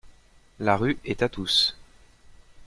La rue “est à tous”